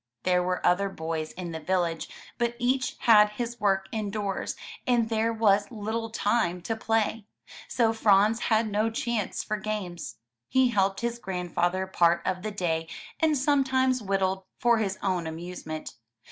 There were other boys in the village, but each had his work indoors, and there was Uttle time to play, so Franz had no chance for games. He helped his grandfather part of the day and sometimes whittled for his own amusement.